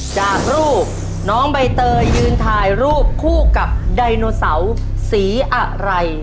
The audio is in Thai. จากรูปน้องใบเตยยืนถ่ายรูปคู่กับไดโนเสาสีอะไร